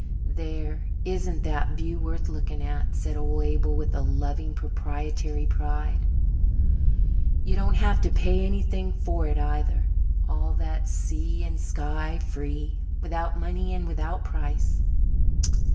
"There, isn't that view worth looking at?" said old Abel, with a loving, proprietary pride. "You don't have to pay anything for it, either. All that sea and sky free 'without money and without price'.